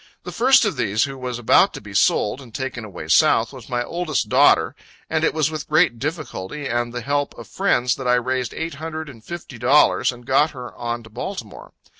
The first of these, who was about to be sold, and taken away South, was my oldest daughter; and it was with great difficulty and the help of friends that I raised eight hundred and fifty dollars, and got her on to Baltimore.